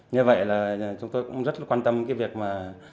như vậy là chúng tôi cũng rất là quan tâm cái việc mà